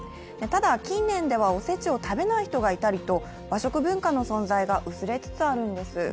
ただ、近年ではお節を食べない人もいたりと、和食文化の存在が薄れつつあるんです。